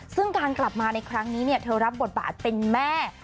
ซึ่งการกลับมาในครั้งนี้เธอรับบทบาทเป็นแม่